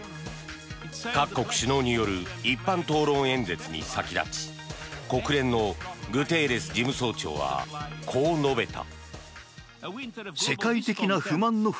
各国首脳による一般討論演説に先立ち国連のグテーレス事務総長はこう述べた。